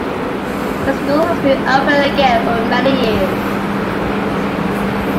The school has been open again for many years.